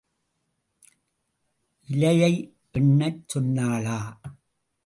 இலையை எண்ணச் சொன்னாளா?